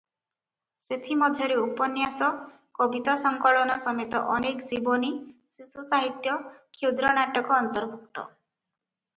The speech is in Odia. ସେଥିମଧ୍ୟରେ ଉପନ୍ୟାସ, କବିତା ସଂକଳନ ସମେତ ଅନେକ ଜୀବନୀ, ଶିଶୁ ସାହିତ୍ୟ, କ୍ଷୁଦ୍ର ନାଟକ ଅନ୍ତର୍ଭୁକ୍ତ ।